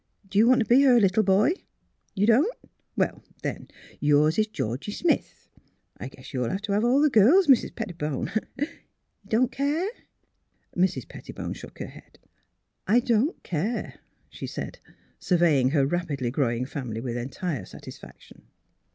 Do you want to be her little boy ? You don 't ? Well, then, yours is Georgie Smith. I gaiess you'll have to have all girls. Mis' Pettibone! You don't care! " Mrs. Pettibone shook her head. " I don't care," she said, surveying her rapidly growing family with entire satisfaction.